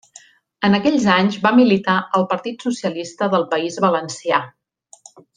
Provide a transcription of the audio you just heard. En aquells anys va militar al Partit Socialista del País Valencià.